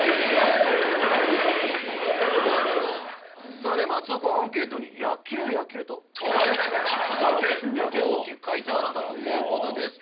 「さあ松尾君はアンケートに“野球”“野球”と」「大きく書いてあったという事ですけども」